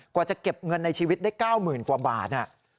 กว่าจะเก็บเงินในชีวิตได้๙๐๐กว่าบาท